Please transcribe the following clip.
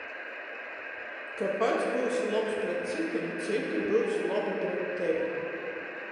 Ka pats byusi lobs pret cytim, cyti byus lobi pret tevi.